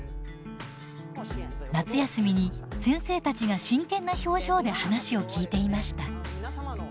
夏休みに先生たちが真剣な表情で話を聞いていました。